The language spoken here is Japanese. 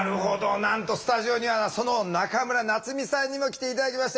なんとスタジオにはその中村夏実さんにも来て頂きました。